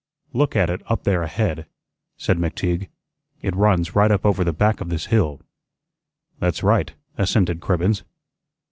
"Look at it up there ahead," said McTeague. "It runs right up over the back of this hill." "That's right," assented Cribbens.